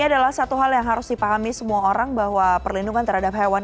ini adalah satu hal yang harus dipahami semua orang bahwa perlindungan terhadap hewan